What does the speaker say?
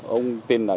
ông tên là đại sĩ